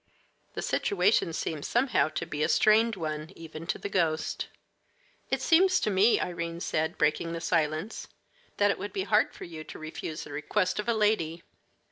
The situation seemed somehow to be a strained one even to the ghost. "It seems to me," Irene said, breaking the silence, "that it would be hard for you to refuse the request of a lady."